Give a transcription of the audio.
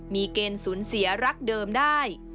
มีเกณฑ์สูญเสียรักเดิมได้